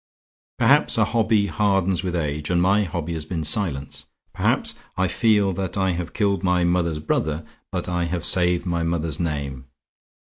Perhaps a hobby hardens with age; and my hobby has been silence. Perhaps I feel that I have killed my mother's brother, but I have saved my mother's name.